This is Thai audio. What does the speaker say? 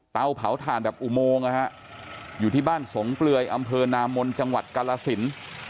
เผาถ่านแบบอุโมงนะฮะอยู่ที่บ้านสงเปลือยอำเภอนามนจังหวัดกาลสิน